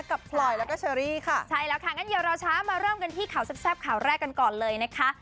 พลอยแล้วก็เชอรี่ค่ะใช่แล้วค่ะงั้นอย่ารอช้ามาเริ่มกันที่ข่าวแซ่บข่าวแรกกันก่อนเลยนะคะ